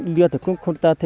lia thịt cũng không ta thê